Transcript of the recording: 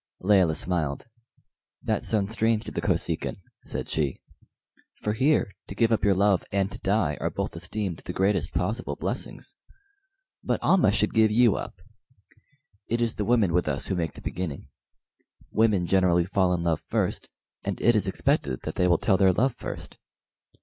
Layelah smiled. "That sounds strange to the Kosekin," said she, "for here to give up your love and to die are both esteemed the greatest possible blessings. But Almah should give you up. It is the women with us who make the beginning. Women generally fall in love first, and it is expected that they will tell their love first.